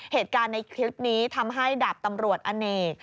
เหตุการณ์ในคลิปนี้ทำให้ดาบตำรวจอเนก